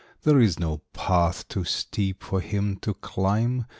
There is no path too steep for him to climb.